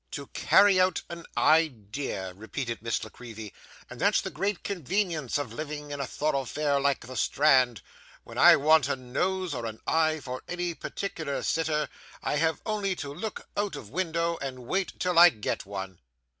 'To carry out an idea,' repeated Miss La Creevy; 'and that's the great convenience of living in a thoroughfare like the Strand. When I want a nose or an eye for any particular sitter, I have only to look out of window and wait till I get one.